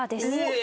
え！